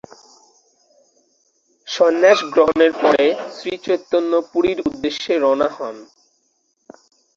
সন্ন্যাস গ্রহণের পরে শ্রীচৈতন্য পুরীর উদ্দেশ্যে রওয়ানা হন।